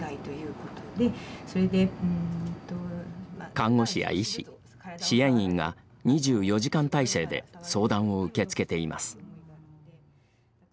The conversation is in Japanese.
看護師や医師、支援員が２４時間体制で相談を受け付けています。